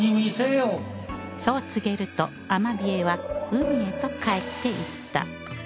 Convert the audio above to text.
そう告げるとアマビエは海へと帰っていった